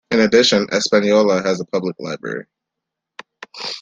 In addition, Espanola has a public library.